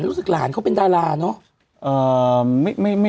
รู้สึกหลานเขาเป็นดาราเนอะ